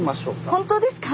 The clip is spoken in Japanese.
本当ですか？